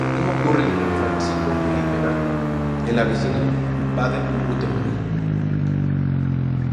Lo mismo ocurre con el fráncico meridional en la vecina Baden-Württemberg.